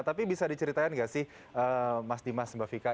tapi bisa diceritain nggak sih mas dimas mbak vika